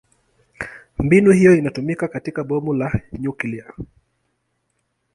Mbinu hiyo inatumiwa katika bomu la nyuklia.